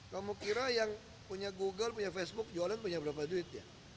kamu kira yang punya google punya facebook jualan punya berapa duit ya